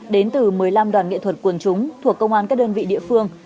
đến từ một mươi năm đoàn nghệ thuật quần chúng thuộc công an các đơn vị địa phương